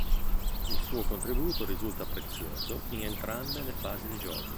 Il suo contributo risulta prezioso in entrambe le fasi di gioco.